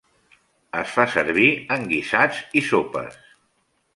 Es fa servir en guisats i sopes.